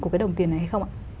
của cái đồng tiền này hay không ạ